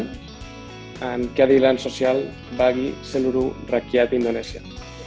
dan keadilan sosial bagi seluruh rakyat indonesia